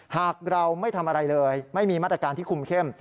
หากเราไม่ทำอะไรเลยไม่มีมาตรการที่คุมเข้ม